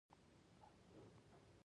• لمر د ځمکې د ژوند کولو لپاره اړین دی.